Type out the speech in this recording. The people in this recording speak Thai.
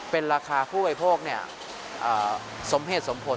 เป็นราคาผู้บริโภคสมเหตุสมผล